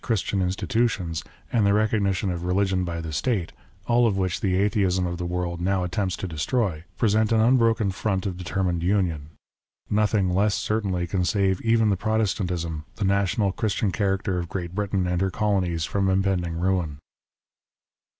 Christian Institutions, and the recognition of religion by the State, all of which the Atheism of the world now attempts to destroy, present an unbroken front of determined union. Nothing less, certainly, can save even the Protestantism, the national, Christian character of Great Britain and her colonies from impending ruin.